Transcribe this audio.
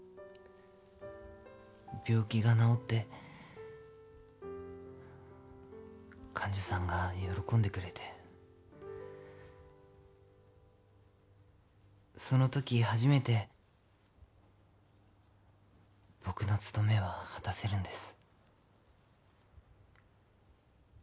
病気が治って患者さんが喜んでくれてそのとき初めて僕の務めは果たせるんです。